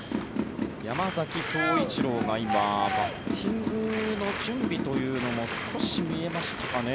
山崎颯一郎が今バッティングの準備というのも少し見えましたかね。